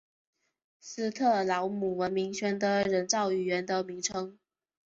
斯特劳姆文明圈的人造语言的名称。